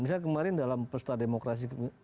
misalnya kemarin dalam pesta demokrasi